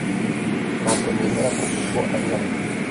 Ntabwo nemera ko Bobo ari hano